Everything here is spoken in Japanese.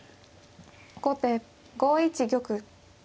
後手５一玉。